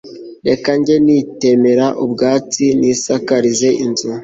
Reka njye nitemera ubwatsi nisakarize inzu